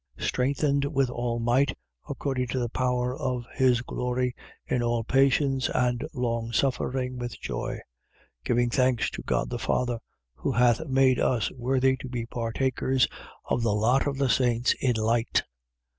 Strengthened with all might according to the power of his glory, in all patience and longsuffering with joy, 1:12. Giving thanks to God the Father, who hath made us worthy to be partakers of the lot of the saints in light: 1:13.